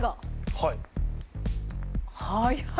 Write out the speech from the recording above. はい。